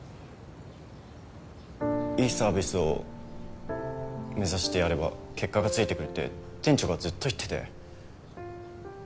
「いいサービスを目指してやれば結果がついてくる」って店長がずっと言ってて。